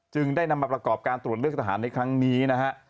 ได้นำมาประกอบการตรวจเลือกทหารในครั้งนี้นะฮะ